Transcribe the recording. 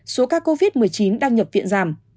số ca covid một mươi chín đang nhập viện giảm